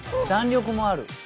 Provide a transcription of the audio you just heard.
弾力もある。